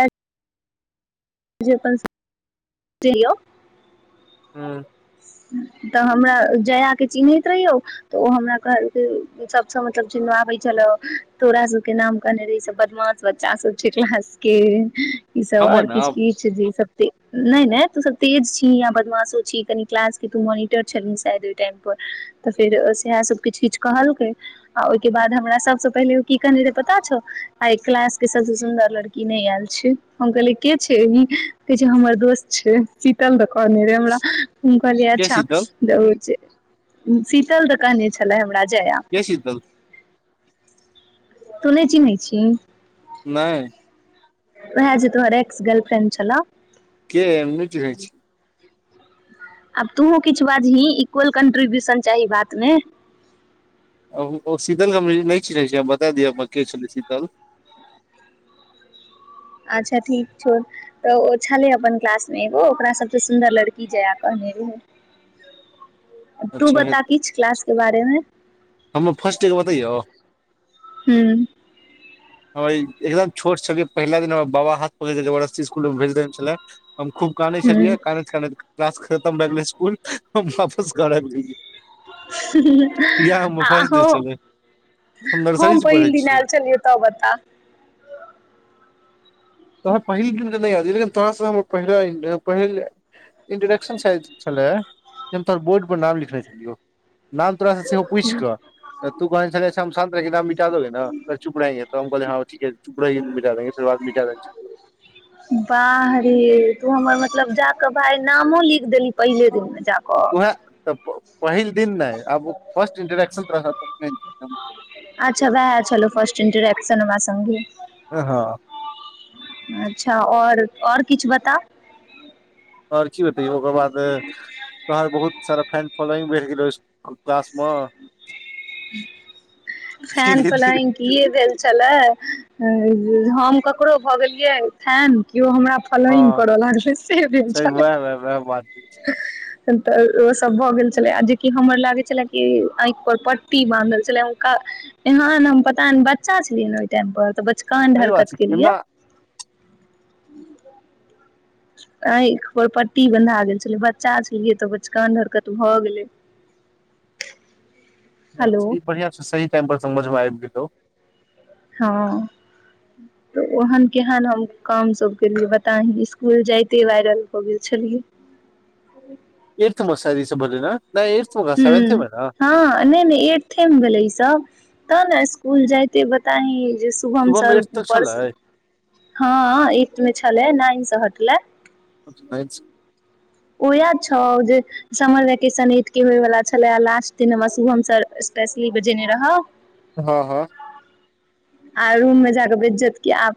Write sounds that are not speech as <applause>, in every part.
एक जे अपन सब जाइयौ ह तऽ हमरा जया के चिन्हैत रहियौ तऽ ओ हमरा कहलकै सबसँ मतलब चिन्हाबै छलौ तोरा सबके नाम कहने रहियै सब बदमाश बच्चा सब छै क्लास के ई सब हमर आओर ने किछु अब किछु जे सब नहि नहि तू सब तेज छी आ बदमाशो छी कनि क्लास के तूं मोनिटर छलहि तु सायद ओहि टाइम पर तऽ फेर सैहै सब किछ किछ कहलकयि आ ओइके बाद हमरा सबसे पहिले ओ की कहने रहै पता छौ आइ क्लासके सभसँ सुन्दर लड़की नहि आयल छै हम कहलियै के छै कहै छै हमर दोस्त छै शीतल दऽ कहने रहै हमरा हम कहलियै के अच्छा शीतल शीतल दऽ कहने छलै हमरा जया के शीतल तूं नहि चिन्है छिन्हि नहि ओहै जे तोहर एक्स गर्ल फ्रेंड छलौ के हम नहि चिन्हैय छियै आब तोहूँ किछु बाजही इक्वल कन्ट्रीब्यूशन चाही बातमे ओ शीतलके हम नहि चिन्है छियै हम बता दिअ हमरा के छलै शीतल अच्छा ठीक छौ तऽ ओ छलै अपन क्लासमे एगो ओकरा सबसँ सुन्दर लड़की जया कहने रहय तू अच्छा बता किछु क्लासके बारेमे हम फर्स्ट डे के बतैयौ हूँ हम एकदम छोट छलियै पहिला दिन हमरा बाबा हाथ पकड़ि कऽ जबरदस्ती स्कुल मे भेज देने छलय हम खूब कानै हूँ छलियै कानैत कानैत क्लास खतम भऽ गेलै स्कुल हम वापस घर आइब गेलयै। आहो नर्सरी हम से पढ़ै पहिल दिन छियै आयल छलियै तब बता तोहर पहिल दिन कै नहि याद छौलेकिन तोहराससँ हमर पहिला पहिल इंट्रोडक्शन च छलए जे हम तोहरा बोर्डपर नाम लिखने छलियौ नाम तोराँ सेहो पूछि कऽ त कह छल हम शान रख दे न चुप रहंगे त हमोल हँु मि द देंगेर बाद मिटा दे <inaudible> बाह रे तू हमर मतलब जा क भााय नामो लिख देली पहिले दिन मे त तू हैं जाकऽ तब पहिल दिन नहि आब फर्स्ट दिन तोरा सबस इंटेक्शन लेबौ। अच्छा वए चलो फर्स्ट इंटरैक्शन हमरा सगे हँ हँ अच्छा आओर आओर किछु बता आओर की बतैयौ ओकर बाद तोर बहुत सारा फैन फॉलोइंग भेट गेलौ इुल क्लासमे फेन धीरे धीरे फलांइग किए भेल छलै आ हम ककरो भऽ गेलियै फेन के हमरा फॉलोइंग हँ करऽ लागलै से भेल सही छल वएह वएह वएह बात तऽ ओ सब भऽ गेल छले आ जेकि हमर लागे छले कि आँखि पर पट कुी बानहल छलै हुनका एह हम पता बच्चा छलियै ओहि टाइम पर तऽ बचकान सही बात हरकत छै के केना लिए <inaudible> आख पर पट्टी बन्धा गेल छलै बच्चा छलियै तऽ बचकान हरकत भऽ गेलै हेलो ई बढ़िआँ छै सही टेम्पल समझमे आबि गेलहु हँ तऽ ओहन केहन हम काम सभ केलियै बताही इसकुल जाइते वायरल भऽ गेल छलियै एर त मस दस बरले ने नहि एट्थ मे कहाँ ह्म्म सेवेंथे मे ने हँ नहि नहि एथेमे भेलै इसभ तब ने स्कूल जाते बताही जे शुभम स एट्थ तक ऊपर स छलै हँ एथ मे छलै नाइनसँ हटले अछि ओ इएह छौ जे समर वैकेशन ठके होयवला छलै आ लास्ट दिन हम शुभम सर हमसभ स्पेशली बजेने रहौ हँ हँ आ रूम मे जााक बेज्जत क आ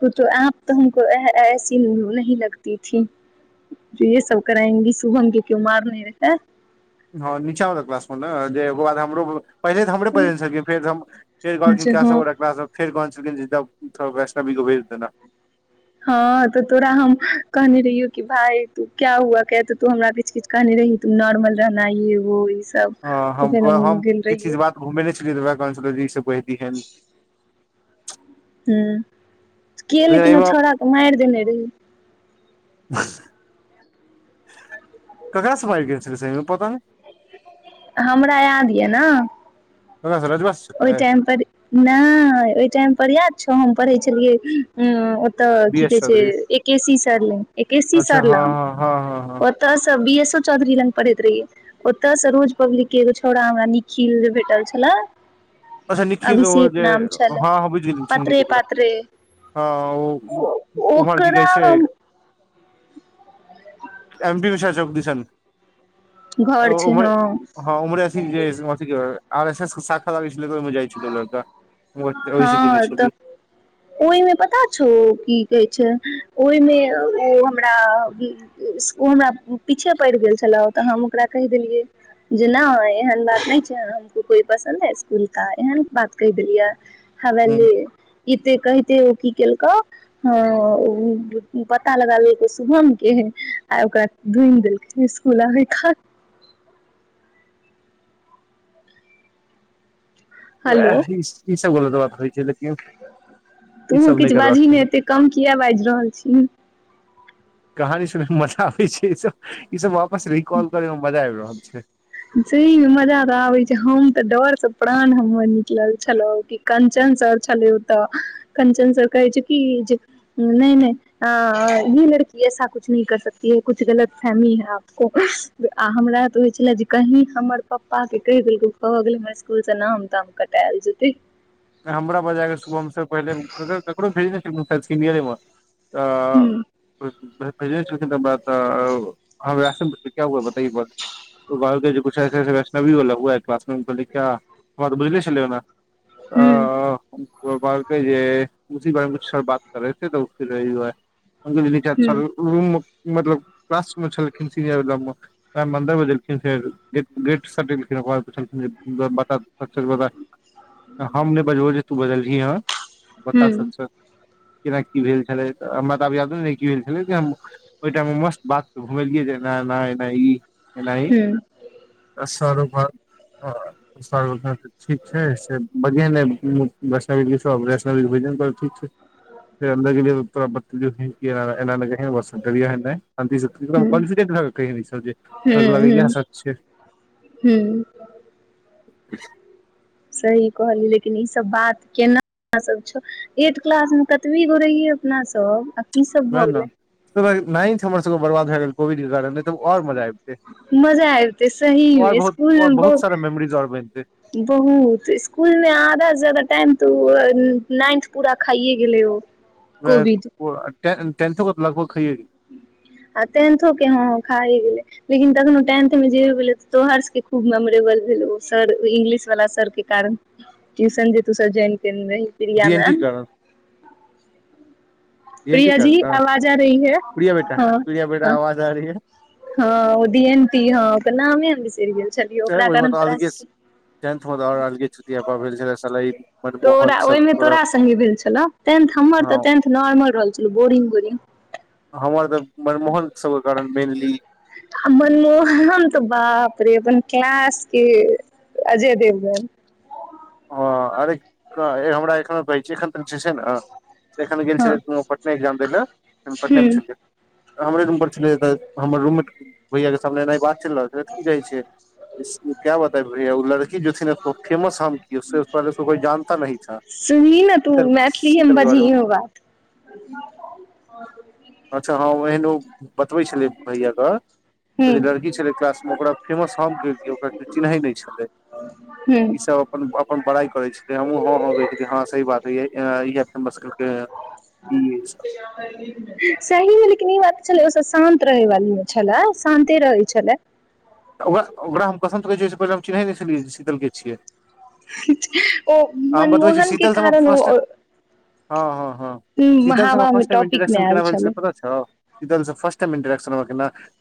को त आप तऽ हमको ऐ ऐसी न लगतीी ज ये सब करांगी सुभहम के क्यो मार नहि रहिते हँ निचा बला क्लास म न जे ओकर बाद हमरो पहिले तऽ हमरे बजेने छलखिन फेर हम फेरलखिन जे हँ सब फेर जिो वैष्णवी को भेज देना हँ तऽ तोरा हम कहने रहियौ कि भाय तू क्य हुआ क त तू हमरा किछ किछ कहने रही तू नॉर्मल रहना ये वो सब हँ तऽ हम फेर त हम गेल किछु चीज रहियै बात घुमेने छलियै इ सँब कहहि दिहीन हँ कि लेकिन ओ छोड़ा तऽ मारि देने रही ककरा सँ मारि भेल छलमे पता नहि हमरा याद यऽ ने ककरा सँ रजवा सँ ओहि छलै टाइम पर नहि ओहि टाइम पर याद हम पढ़ै छलियै तऽ बी की एस कहे छै चौधरी एक के सी सरले एकस सी अच्छा सर ल हँ हँ हँ हँ हँ ओतऽसँ बी एस चौधरी लग पढ़ैत रहिय ओते स रोज पब्लिक के एगो छौड़ा हमरा निखिल जे भेटल छले अच्छा निखिल ओ अभिषेक जे नाम छलै हां हां बुझ पातरे गेलये पातरे हाँ ओ उमहर की ओकरा कहेछै हम एम पी रोक दिसन घर छै उमहरे हँ हाँ उमहरे जे आरएसएसक शाखा लगाई छै ओहिसँ हां जीने तऽ छलियै ओहिमे पता छौ की कहे छै ओहिमे ओ हमरा हमरा पीछे पड़ि गेल छलौ तऽ हम ओकरा कहि देलियै जे नइ एहन बात नहि छै हमको कोई पसन्द है इकुल एहन बात कहि देलियै हवे ले एते कहिते ओ की केलकौ हां पता लगा लेलकौ शुभम के आ ओकरा ढूनि देलकौ स्कुल अबे खा ओ ह इस इस बो देबात हो तोहूँ किछु बाजही ने चाही एतै कम किया बाजि रहल छही कहानी सुनै मे मजा आबै छै ई सब ई सब वापस रिकॉल करेमे मजा आबि रहल छै अच्छा मजा तऽ आबै छै हम तऽ डरसो प्राण हमर निकलल छलौ कि कंचन सर छलौ तऽ कंचन सर कहे छै कि जे नहि नहि ई लड़की ऐसा कुछ नहि कर सकती है कुछ गलत फहमी है आपको आ हमरा तऽ होइ छले जे कही हमर पप्पा के कहि देलकौ भगेलौ हमरा इसकुल से नाम ताम कटेल जेतै हमरा बजाय क शुभम से पहिले ककर ककरो भेजने छलौ काहिल सीरियरेमे आ हूँ भेजने छलखुन हमरा त हमरा से पुछलखिन क्या हुआ बताईये एक बार त ऊ कहलकई के कुछ ऐसे ऐसे बैष्वी बोला हुआ है क्लासमे हम कहलियाई क्या हमरा तऽ बुझले छलै ओना ओ हूँ ओ कहलकई जे उसी बारे में कुछ सर बात करेे थे तऽ यही दुआरे हम कहलियाई हूँ सर मतलब क्लासमे छलखिन सीनियर ग़म उहे अंदर बाजेलखिन फेर गेट सटेलखिन ओकरबाद पुछलखिन बता त सच सच बता हम नहि बजबौ जे तू बजलही ह बता हूँ सच सच केना की भेल छलै तऽ हमरा तऽ <unintelligible> क्रिकेट खेले छलीयै ओहि टाइम में मस्त बाद के घुमेलियई जेना नहि नहि ई ऐना ई हूँ सरो पर सरो कहलखीन ठीक छै से बढ़िआ ने वैष्णवी घी छौ वैष्णवी भोजन कर ठीक छै फेर अंदर गेलियाउ तोरा बतेलियौ की ऐना ऐना जाहिये डरिये नहि <unintelligible> हूँ सब के हूँ लगाई येह हूँ सच छै ब हूँ <inaudible> सही कहलहि लेकिन ई सब बात <unintelligible> एट क्लासमे कतबी गो रहियै अपना सब की सब भऽ गेलै नाइंथ हमर सबके बर्बाद भ गेल कोविड के कारण तऽ आओर मजा आबितै मजा अबीतै आओर सहीमे बहुत स्कुल आओर बहुत सारा मेमोरीज आओर बनितै बहुत स्कुलमे आधासे जादा टाइम त नाइंथ पूरा खाइए गेलै ओ कोविड <unintelligible> टेथ लगभग खाये गेलै टेन्थो के ह खाए गेलै लेकिन तखनो टेंथ मे जे तोहर सबके खूब मेमोरेबल भेलै सर ऊ इंगलिश वाला सर के कारण ट्यूशन जे तू सब ज्वाइन टेनमे प्रिया डी एन टी के मैम कारण प्रिया जी आवाज आ रही है बे प्रीया बेटा आवाज आ रही है हां ओ दि एती हां ओकर नामें बिसरी गेल छलियै ओकरा ओइम कारण त तोरा अलगे सबके से टेंथ में द रहलियें चुतियापा भेल छलै साला इ मनमोहन तोरा सब ओहिमे तोरा संगे भेल छलौ टेंथ हमर तऽ हां टेंथ नॉर्मल रहल छलौ बोरिंग बोरिंग हमर त मनमोहन सब के कारण मेनली आ मनमोहनम तऽ बापरेबा क्लास के अजय देवगन हां अरे क हे हमरा एखनो कहै छै एखन जे छै न से एखन गेल हँ छलै पटने एग्जाम दै लऽ त हम पटने हूं मे छलै हमरे रूम पर छलै त हमर रूममेट भैया के सामने एनहि बात चलि रहल छलै तऽ की कहै छै क्या बताये उ <unintelligible> कि जोथि <unintelligible> नेसको फेमस हम सर पेहेल उसको कोइ जानता नहीं था सुनही ने तू शीतल मैथिलीए मे शीतलक बारेमे बजहियो बात अच्छा त एहन बतबै छलिये भेयाक ओ हूं जे लड़की छलै क्लासमे ओकरा फेमस हम केलियै ओकरा केऊ चिन्है नहि छलै हूं ईसभ अपन बरा बराई कराई चलाई हमहु हां हां कही देलीये सही बात अई इहै फेमस केलकई सही लेकिन ई बात छलै ओ सभ शान्त रहै वालीमे छलै शान्ते रहै छलै ओकरा ओकरा हम पसन्द करै छीयई ओइ से पहिने हम चिनहै नहि छलिये शीतलके छियै ओ आ मनमोहन के कारण ओ हाँ हाँ ह शीतल स हवा मे फर्स्ट टाइम टॉपिक मे इंट्रोडक्शन आयल केना भेल छलै पता छौ फिस्ट टाइम इंटरैक्शन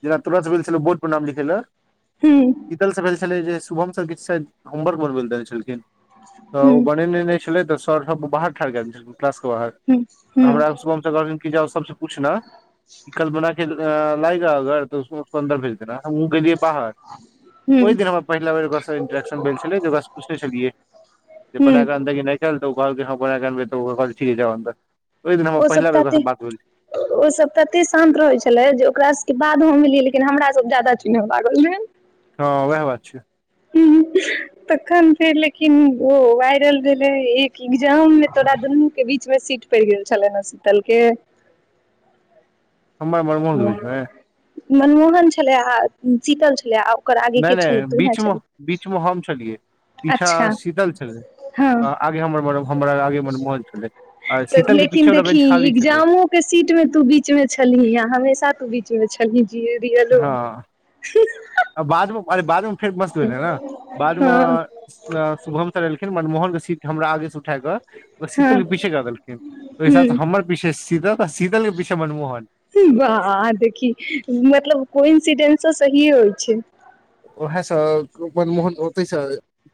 जेना तोरा जे भेल छलौ बोड पर नाम लिखेले हूं कतलसँ फैल छलै जे शुभम सर किछु शायद होमवर्क बनब लेल देने छलखिन त हूँ ओ बनेने नै छलै तऽ सर बाहर ठार कय देने छलै क्लास के बाहर हूँ हूँ हमरा शुभम जाओ सबसे पूछना ई कल्पना के आ लागग आ सन्दर भेलर दर गै बाहर हूँ ओहि दिन हमरा पहिला बेर ओकरासँ इन्ट्रेक्शन भेल छलै जे ओकरासँ पुछने छलियै जे हूँ बनाकऽ अनतै कि नई अनतौ कहलकइ हम बना कर अनबई तो वो कहलकइ ठीक जाउ अनबैइ ओ सब ओ सब तते शान्त रहै छले जे ओकरा सके बाद मिल लेकिन हमरा सब ज्यादा चुने लागल रहय हँ उएह बात छै तखन फेर लेकिन ओ वायरल भेले एक एग्जाम मे तोरा दुनू के बीच में सीट परि गेल कल्ला ने सूतलके हमर मर मोह द हो छै मनमोहन छलै आ शीतल छलै आ ओकर आगे नई के छलै नई तूहे बीच मे छलै बीच मे हम छलियै पीछा अच्छा शीतल छलै हँ आगे हमर बड़ के लेकिन पीछे वाला देखही बेंच खाली छलै इक्जामो के सीट मे तू बीच मे छलही हमेशा तू बीच छलही जी रियलो में हु हा आरे बादो म फेर मस्त भेलै ने बाद मे हँ ए ए शुभम स एलखिन मनमोहनक के सीट हमरा आगे स उठा क हँ शीतल के पीछे कऽ देलखिन ओहि हिसाब से ह हमर पीछे शीतल आ शीतल के पीछे मनमोहन वाह देखी मतलब कोइ इन्सिडेन्ट त सहीए होइ छै ओएहे स मनमोहन ओतै से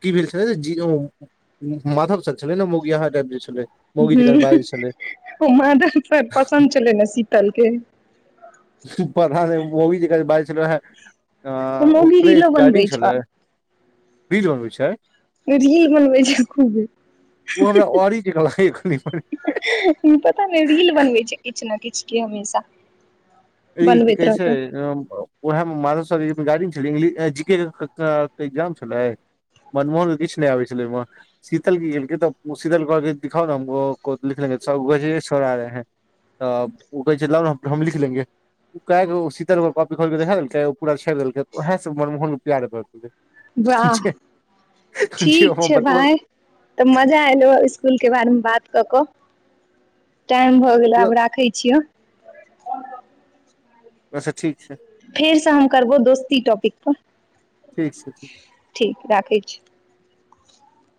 की भेल छलै जे वो माधव स छलै ने मौगिआहा टाइप जे छलै मौगी जकाँ हं बाजै छलै ओ माधव के पसन्द छलै ने शीतल के सुपधान मौगी जका बाजै छलै वहै अ हम ओ भी ओकरे रीलो बनबै गार्डिंग छ छलै रील बनवै छैय रील बनबै छै खूब ओ हमरा औरी जकाँ लागैये कनि मनि पता नई रील बनै छै किछु ने किछु के हमेशा ई की बनबैत कहै छै रहतौ ओह मधर शरीर में गाड़ी जीके जीएस के एग्जाम छलै मनमोहन के किछु नहि आबे छलै ओहि शीतल की गेल तऽ शीतल कहलकै दिखाओ न हमको गजबे छोड़ा रहे है तऽ ओ कहे छाई लाओ न हम लिख लेंगे ओ शीतल कॉपीओकर खोल क देखा देलकै ओहा ओ पूरा छोईर देलकै ओह स मनमोहन प्यार क लेलकै वाह जे ठीक हमरा छै बतबल भाय तऽ मजा एलहु स्कूल के बारे मे बात कक टाइम भऽ गेल आब राखै छियौ अच्छा ठीक छै फेरसँ हम करबो दोस्ती टॉपिक पर ठीक छै ठीक ठीक राखै छी <inaudible>